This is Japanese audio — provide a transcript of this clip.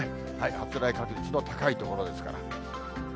発雷確率の高い所ですから。